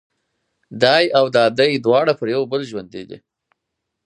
دای او دادۍ دواړه پر یو بل ژوندي دي.